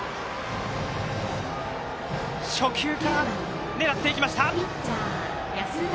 初球から狙っていきました！